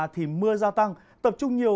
thì mưa gia tăng tập trung nhiều